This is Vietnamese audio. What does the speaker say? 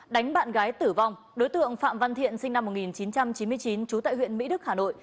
đánh bạn gái tử vong đối tượng phạm văn thiện sinh năm một nghìn chín trăm chín mươi chín trú tại huyện mỹ đức hà nội